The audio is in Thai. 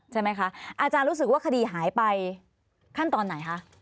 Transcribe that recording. ใช่ไหมคะอาจารย์รู้สึกว่าคดีหายไปขั้นตอนไหนคะ